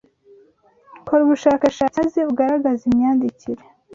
Kora ubushakashatsi maze ugaragaze imyandikire